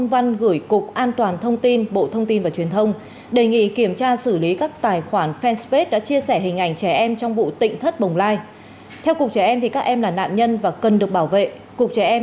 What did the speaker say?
với những trường hợp cố tình vi phạm sẽ xử lý theo quy định